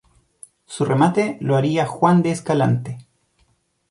Su remate lo haría Juan de Escalante.